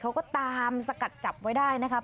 เขาก็ตามสกัดจับไว้ได้นะครับ